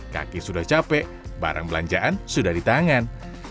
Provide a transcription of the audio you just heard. kaki sudah capek barang belanjaan sudah di tangan